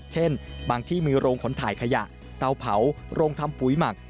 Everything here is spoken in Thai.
เช่นบางที่มีโรงขนถ่ายขยะเตาเผาโรงทำปุ๋ยหมัก